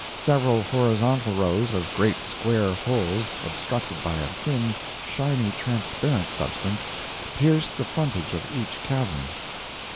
Several horizontal rows of great square holes, obstructed by a thin, shiny, transparent substance, pierced the frontage of each cavern.